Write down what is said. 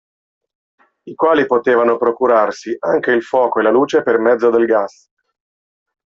I quali potevano procurarsi anche il fuoco e la luce per mezzo del gas.